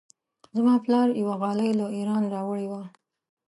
زما پلار یوه غالۍ له ایران راوړې وه.